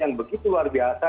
yang begitu luar biasa